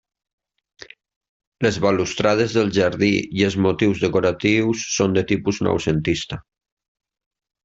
Les balustrades del jardí i els motius decoratius són de tipus noucentista.